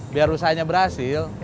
biar usahanya berhasil